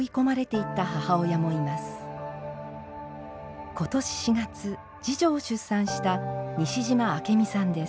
今年４月次女を出産した西島明美さんです。